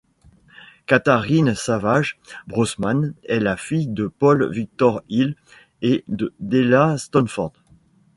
Catharine Savage Brosman est la fille de Paul Victor Hill et de Della Stanforth.